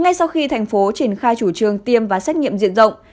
ngay sau khi thành phố triển khai chủ trương tiêm và xét nghiệm diện rộng